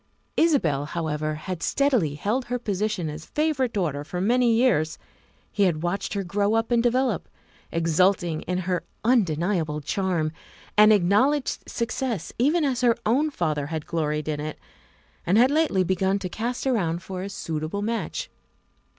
Isabel, however, had steadily held her position as favorite daughter for many years; he had watched her grow up and develop, exulting in her undeniable charm and acknowledged success even as her own father had gloried in it, and had lately begun to cast around for a suitable match.